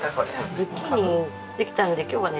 ズッキーニできたんで今日はね